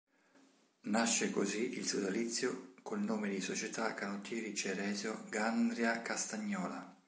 Nasce così il sodalizio col nome di Società Canottieri Ceresio Gandria-Castagnola.